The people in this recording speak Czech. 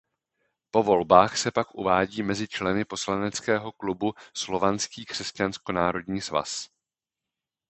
Po volbách se pak uvádí mezi členy poslaneckého klubu Slovanský křesťansko národní svaz.